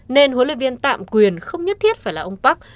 nên huấn luyện viên tạm quyền không nhất thiết phải là ông park